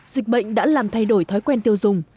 dịch bệnh đã làm thay đổi thói quen tiêu dùng